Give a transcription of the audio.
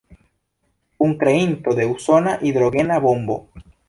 Kunkreinto de usona hidrogena bombo.